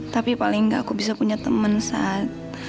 tapi paling gak aku bisa punya temen saat